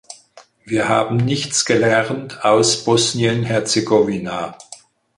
Wir haben nichts gelernt aus Bosnien-Herzegowina.